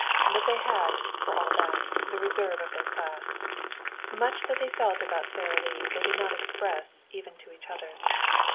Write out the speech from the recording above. But they had, for all that, the reserve of their class. Much that they felt about Sara Lee they did not express even to each other.